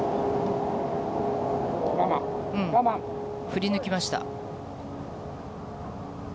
振り抜きました。